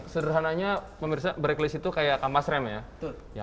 sederhananya brakeless itu seperti kampas rem ya